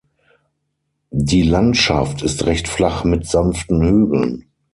Die Landschaft ist recht flach mit sanften Hügeln.